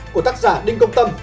của tác giả đinh công tâm